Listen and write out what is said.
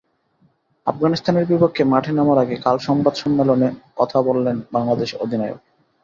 আফগানিস্তানের বিপক্ষে মাঠে নামার আগে কাল সংবাদ সম্মেলনে কথা বললেন বাংলাদেশ অধিনায়ক।